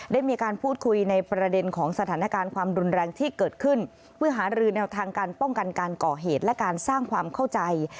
ได้มีการพูดคุยในประเด็นของสถานการณ์ความรุนแรงที่เกิดขึ้นเพื่อหารือแนวทางการป้องกันการก่อเหตุและการสร้างความเข้าใจ